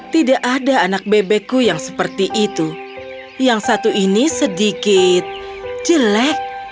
tidak ada anak bebekku yang seperti itu yang satu ini sedikit jelek